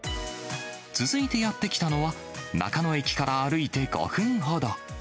続いてやって来たのは、中野駅から歩いて５分ほど。